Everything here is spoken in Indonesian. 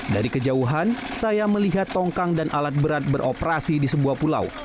dari kejauhan saya melihat tongkang dan alat berat beroperasi di sebuah pulau